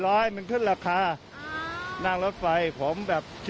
รถโต้๓๐๐๔๐๐มันขึ้นราคานั่งรถไฟผมแบบชิล